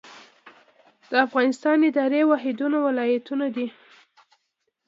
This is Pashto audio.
د افغانستان اداري واحدونه ولایتونه دي